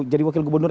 jadi wakil gubernur